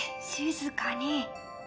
静かに！